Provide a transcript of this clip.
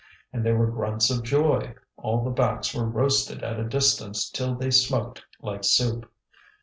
And there were grunts of joy, all the backs were roasted at a distance till they smoked like soup.